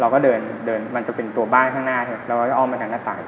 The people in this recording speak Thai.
เราก็เดินมันจะเป็นตัวบ้านข้างหน้าเท่าไหร่